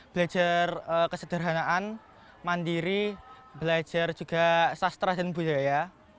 belajar kesederhanaan mandiri belajar juga sastra dan budaya